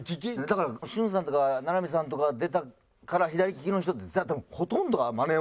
だから俊さんとか名波さんとかが出たから左利きの人って多分ほとんどがマネをしたと思うんですよ。